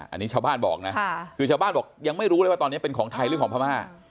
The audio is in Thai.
อันนี้ชาวบ้านบอกนะคือชาวบ้านบอกยังไม่รู้เลยว่าตอนนี้เป็นของไทยหรือของพม่า